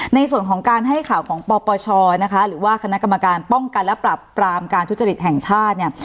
ในส่วนของการให้ข่าวของปปชนะคะหรือว่าคณะกรรมการป้องกันและปรับปรามการทุจริตแห่งชาติเนี่ย